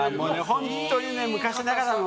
本当に昔ながらの。